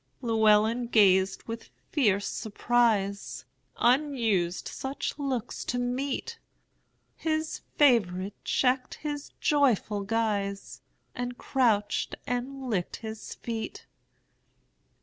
Llewelyn gazed with fierce surprise; Unused such looks to meet, His favorite checked his joyful guise, And crouched and licked his feet.